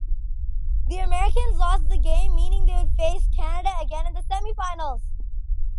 The Americans lost that game, meaning they would face Canada again in the semifinals.